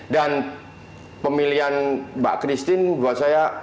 dan pemilihan mbak krisin buat saya